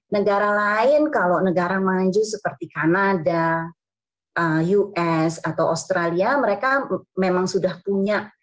negara lain kalau negara maju seperti kanada us atau australia mereka memang sudah punya